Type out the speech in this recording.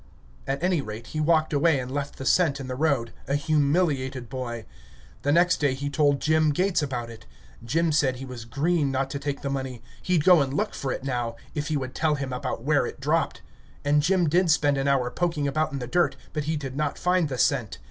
At any rate, he walked away and left the cent in the road, a humiliated boy. The next day he told Jim Gates about it. Jim said he was green not to take the money; he'd go and look for it now, if he would tell him about where it dropped. And Jim did spend an hour poking about in the dirt, but he did not find the cent.